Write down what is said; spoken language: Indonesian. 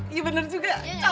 iya bener juga cocok